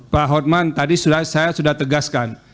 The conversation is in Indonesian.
pak hotman tadi saya sudah tegaskan